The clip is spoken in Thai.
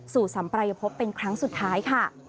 สัมปรายภพเป็นครั้งสุดท้ายค่ะ